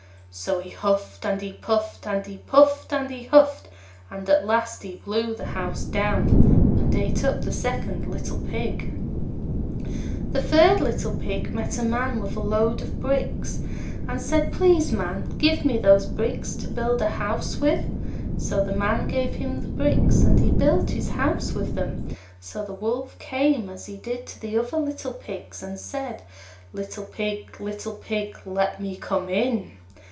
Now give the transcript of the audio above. So he huffed and he puffed, and he puffed and he huffed, and at last he blew the house down, and ate up the second little Pig. The third little Pig met a Man with a load of bricks, and said, "Please, Man, give me those bricks to build a house with"; so the Man gave him the bricks, and he built his house with them. So the Wolf came, as he did to the other little Pigs, and said, "Little Pig, little Pig, let me come in."